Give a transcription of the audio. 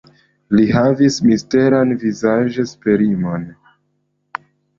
Li havis misteran vizaĝesprimon.